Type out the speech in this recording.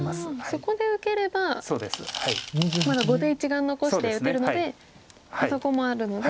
そこで受ければまだ後手一眼残して打てるのであそこもあるので。